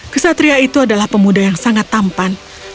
kesatria itu adalah pemuda yang sangat tampan